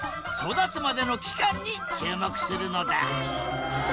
育つまでの期間に注目するのだ！